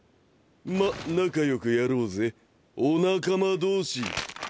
まっ仲よくやろうぜお仲間同士。